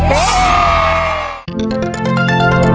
ทำได้หรือไม่ได้ครับ